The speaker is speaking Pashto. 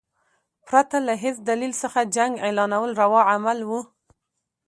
پرته له هیڅ دلیل څخه جنګ اعلانول روا عمل وو.